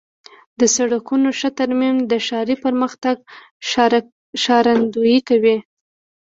د سړکونو ښه ترمیم د ښاري پرمختګ ښکارندویي کوي.